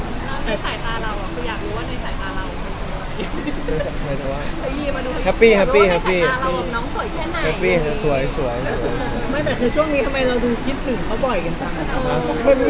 แต่ส่วนมาที่กดมิกอดแล้ว